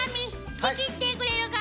仕切ってくれるか？